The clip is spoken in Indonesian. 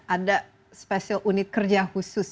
ada special unit kerja khusus